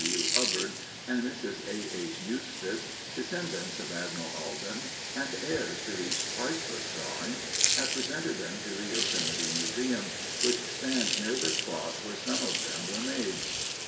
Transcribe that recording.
W. Hubbard, and Mrs. A. H. Eustis, descendants of Admiral Alden and heirs to these priceless drawings, have presented them to the Yosemite Museum, which stands near the spot where some of them were made.